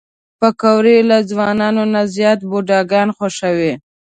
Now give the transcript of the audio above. پکورې له ځوانانو نه زیات بوډاګان خوښوي